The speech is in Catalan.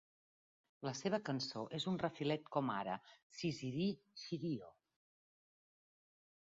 La seva cançó és un refilet com ara "zi-ziri-xirio".